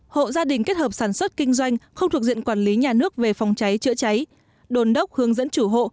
hộ gia đình kết hợp sản xuất kinh doanh không thuộc diện quản lý nhà nước về phòng cháy chữa cháy đồn đốc hướng dẫn chủ hộ